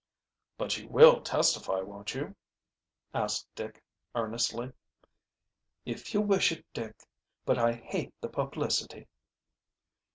"But you will testify, won't you?" asked Dick earnestly. "If you wish it, Dick. But I hate the publicity."